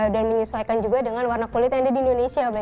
dan menyesuaikan juga dengan warna kulit yang ada di indonesia